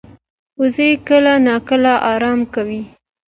وزې کله ناکله آرام کوي